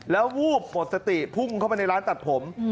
แล้ววูบหมดสติพุ่งเข้าไปในร้านตัดผม